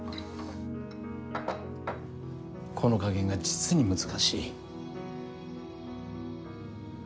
この加減が実に難しい。